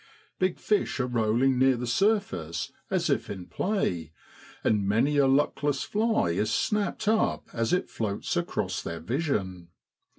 Big fish are rolling near the surface as if in play, and many a luckless fly is snapped up as it floats across their vision.